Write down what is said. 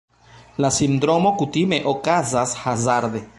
La sindromo kutime okazas hazarde.